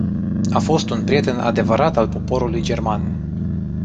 A fost un prieten adevărat al poporului german.